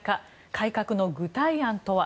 改革の具体案とは？